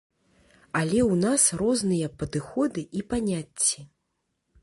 Але ў нас розныя падыходы і паняцці.